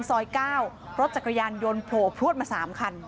ซอย๙รถจักรยานยนต์โผล่พลวดมา๓คัน